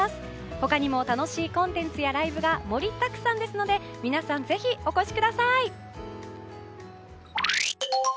他にも楽しいコンテンツやライブが盛りだくさんですので皆さん、ぜひお越しください。